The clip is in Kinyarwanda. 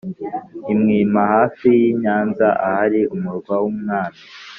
i mwima: hafi y’i nyanza ahari umurwa w’umwami